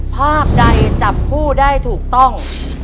ภาพใดจับผู้ได้ถูกต้อง